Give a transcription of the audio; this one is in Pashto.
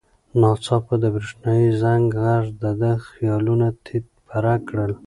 ناڅاپه د برېښنایي زنګ غږ د ده خیالونه تیت پرک کړل.